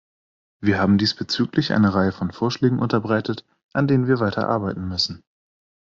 Wir haben diesbezüglich eine Reihe von Vorschlägen unterbreitet, an denen wir weiter arbeiten müssen.